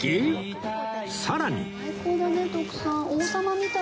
さらに